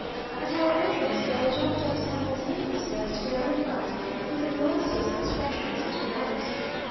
At our entrance, they all jumped up simultaneously, and surrounded us with the noisiest expressions of delight.